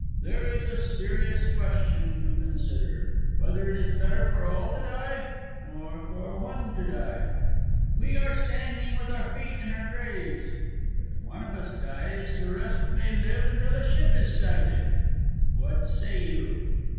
There is a serious question to consider: whether it is better for all to die, or for one to die. We are standing with our feet in our graves. If one of us dies, the rest may live until a ship is sighted. What say you?"